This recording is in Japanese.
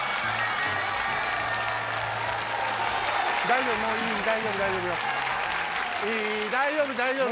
大丈夫！